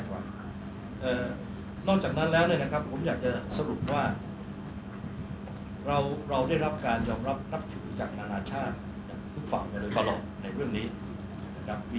ทุกฝั่งกันเลยตลอดในเรื่องนี้